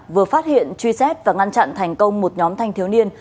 vừa phát hiện truy xét và ngăn chặn thành công một nhóm thanh thiếu niên